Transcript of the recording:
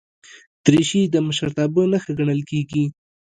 دریشي د مشرتابه نښه ګڼل کېږي.